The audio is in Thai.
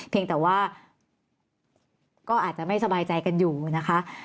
เพียงแต่ว่าก็อาจจะไม่สบายใจกันอยู่นะคะ